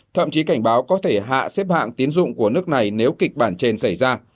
thậm chí cảnh báo có thể hạ xếp hạng tiến dụng của nước này nếu kịch bản trên xảy ra